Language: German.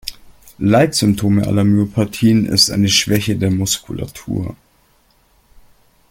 Leitsymptom aller Myopathien ist eine Schwäche der Muskulatur.